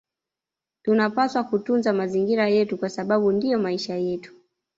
Tunapaswa kutunza mazingira yetu kwa sababu ndiyo maisha yetu